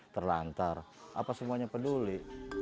terlantar apa semuanya peduli